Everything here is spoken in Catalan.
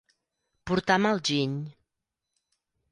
Portar mal giny.